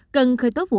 cần khởi tốt vụ án